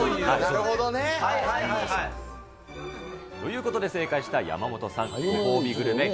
なるほどね。ということで正解した山本さん。